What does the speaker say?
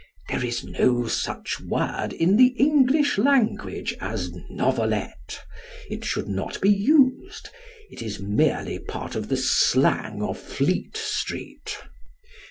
There is no such word in the English language as novelette. It should not be used. It is merely part of the slang of Fleet Street.